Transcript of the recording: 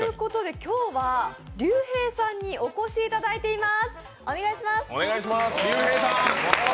今日はＲＹＵＨＥＩさんにお越しいただいています。